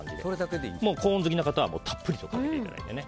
コーン好きな方はたっぷりとかけていただいて。